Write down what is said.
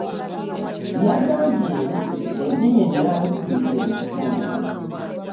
Yagambye nti, ennimi ennansi gwe musingi.